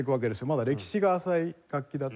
まだ歴史が浅い楽器だったので。